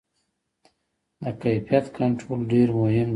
د کیفیت کنټرول ډېر مهم دی.